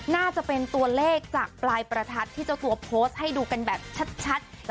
น่าจะเป็นตัวเลขจากปลายประทัดที่เจ้าตัวโพสต์ให้ดูกันแบบชัด